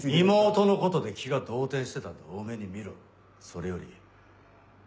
妹のことで気が動転してたと大目に見ろ。それより。